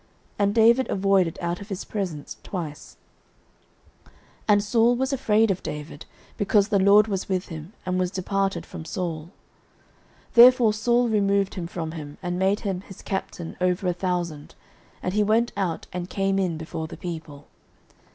And David avoided out of his presence twice. 09:018:012 And Saul was afraid of David, because the LORD was with him, and was departed from Saul. 09:018:013 Therefore Saul removed him from him, and made him his captain over a thousand; and he went out and came in before the people.